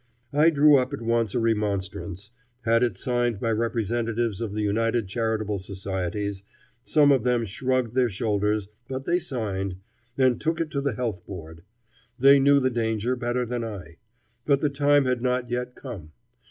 I drew up at once a remonstrance, had it signed by representatives of the united charitable societies some of them shrugged their shoulders, but they signed and took it to the Health Board. They knew the danger better than I. But the time had not yet come.